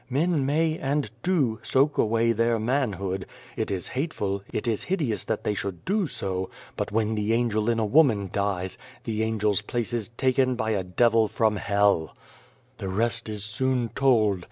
Men may, and do, soak away their manhood. It is hateful, it is hideous that they should do so, but when the angel in a woman dies, the angel's place is taken by a devil from Hell. "* The rest is soon told.